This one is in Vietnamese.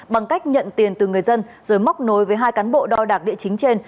bằng cách nhận tiền từ người dân rồi móc nối với hai cán bộ đo đạc địa chính trên